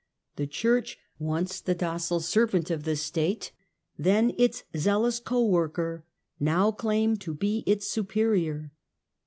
The Church, once the docile servant of the State, then its zealous co worker, now claimed to be its superior.